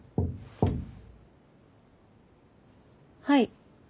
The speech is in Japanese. はい。